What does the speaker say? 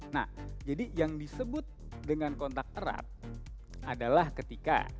nah jadi yang disebut dengan kontak erat adalah ketika